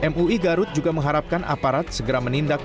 mui garut juga mengharapkan aparat segera menindak